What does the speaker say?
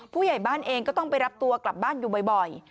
ผู้ใหญ่บ้านเองก็ต้องไปรับตัวกลับบ้านอยู่บ่อย